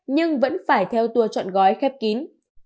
nhưng vẫn phải theo tour chọn gói khép kín